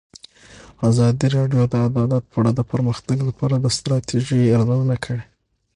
ازادي راډیو د عدالت په اړه د پرمختګ لپاره د ستراتیژۍ ارزونه کړې.